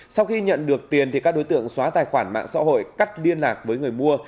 sau khi nhận được tiền các đối tượng xóa tài khoản mạng xã hội cắt liên lạc với người mua